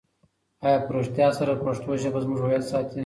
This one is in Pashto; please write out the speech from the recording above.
آیا په رښتیا سره پښتو ژبه زموږ هویت ساتي؟